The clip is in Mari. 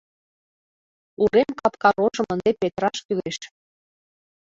— Урем капка рожым ынде петыраш кӱлеш.